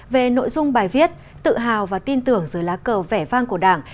về nội dung bài viết tự hào và tin tưởng dưới lá cờ vẻ vang của đảng